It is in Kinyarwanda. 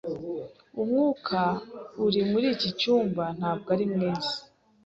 Umwuka uri muri iki cyumba ntabwo ari mwiza.